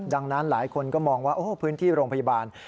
ดังนั้นหลายคนก็มองว่าพื้นที่โรงพยาบาล